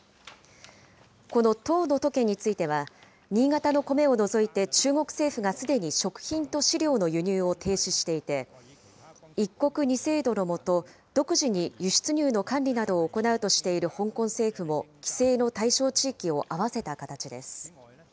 この１０の都県については、新潟のコメを除いて中国政府がすでに食品と飼料の輸入を停止していて、一国二制度の下、独自に輸出入の管理を行うとしている香港政府も規制の対象地域を合わせた形です。